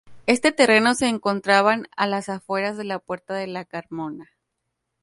Este terreno se encontraban a las afueras de la puerta de la Carmona.